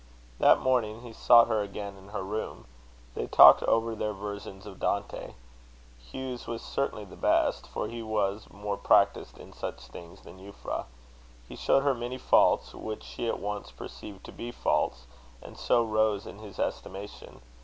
That morning he sought her again in her room. They talked over their versions of Dante. Hugh's was certainly the best, for he was more practised in such things than Euphra. He showed her many faults, which she at once perceived to be faults, and so rose in his estimation.